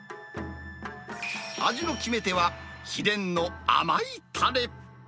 味の決め手は、秘伝の甘いたれ。